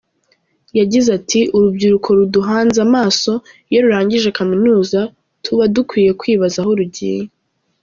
Yagize ati “Urubyiruko ruduhanze amaso, iyo rurangije kaminuza tubadukwiriye kwibaza aho rugiye.